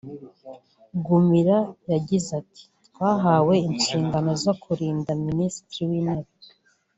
Gumira yagize ati “Twahawe inshingano zo kurinda Minisitiri w’Intebe